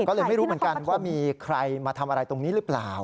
ก็เลยไม่รู้เหมือนกันว่ามีใครมาทำอะไรตรงนี้หรือเปล่า